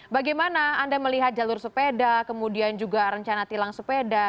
bagaimana anda melihat jalur sepeda kemudian juga rencana tilang sepeda